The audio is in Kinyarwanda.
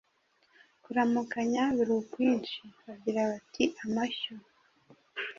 Kuramukanya biri ukwinshi. Bagira bati: “Amashyo”